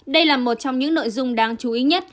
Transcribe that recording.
đây là một trong những nội dung đáng chú ý nhất